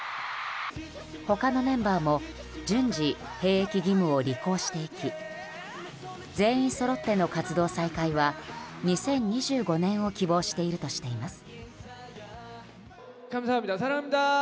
他のメンバーも順次兵役義務を履行していき全員そろっての活動再開は２０２５年を希望しているとしています。